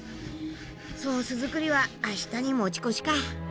ソース作りは明日に持ち越しか。